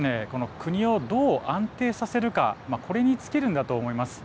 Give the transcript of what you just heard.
国をどう安定させるかこれに尽きるんだと思います。